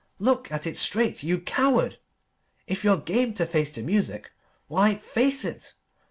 Look at it straight, you coward! If you're game to face the music, why, face it!